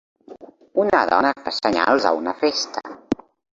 Una dona fa senyals a una festa.